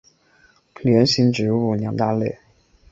链型植物两大类。